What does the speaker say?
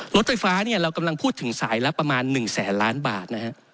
รถไฟฟ้าเรากำลังพูดถึงสายละประมาณ๑แสนล้านบาทนะฮะ